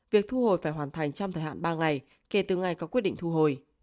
việc thu hồi phải hoàn thành trong thời hạn ba ngày kể từ ngày có quyết định thu hồi